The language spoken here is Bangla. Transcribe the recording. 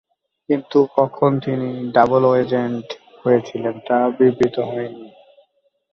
কিন্তু কখন তিনি "ডাবল ও-এজেন্ট" হয়েছিলেন, তা বিবৃত হয়নি।